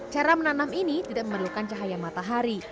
cara menanam ini tidak memerlukan cahaya matahari